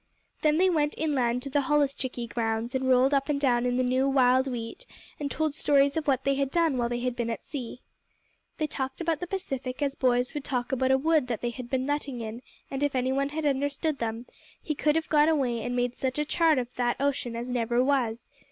Then they went inland to the holluschickie grounds and rolled up and down in the new wild wheat and told stories of what they had done while they had been at sea. They talked about the Pacific as boys would talk about a wood that they had been nutting in, and if anyone had understood them he could have gone away and made such a chart of that ocean as never was.